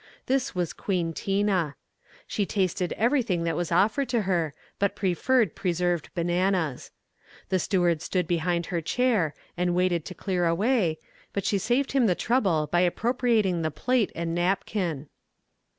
This was Queen Tina. She tasted everything that was offered to her, but preferred preserved bananas. The steward stood behind her chair, and waited to clear away, but she saved him the trouble by appropriating the plate and napkin.